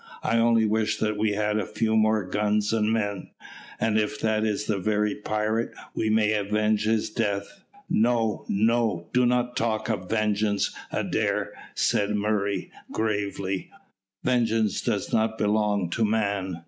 I only wish that we had a few more guns and men, and if that is the very pirate, we might avenge his death." "No, no, do not talk of vengeance, Adair," said Murray gravely; "vengeance does not belong to man.